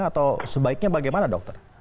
atau sebaiknya bagaimana dokter